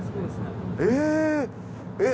えっ。